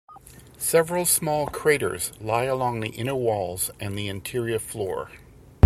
Several small craters lie along the inner walls and the interior floor.